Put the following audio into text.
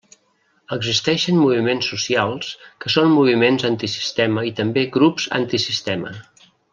Existeixen moviments socials que són moviments antisistema i també grups antisistema.